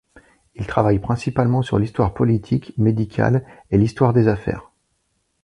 Il travaille principalement sur l'histoire politique, médicale et l'histoire des affaires.